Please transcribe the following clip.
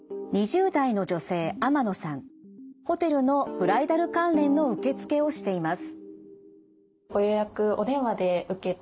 ホテルのブライダル関連の受け付けをしています。